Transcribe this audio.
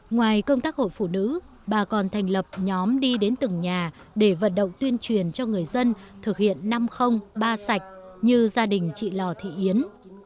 ngoài công tác hội phụ nữ bà còn thành lập nhóm đi đến từng nhà để vận động tuyên truyền cho người dân thực hiện năm trăm linh ba sạch như gia đình chị lò thị yến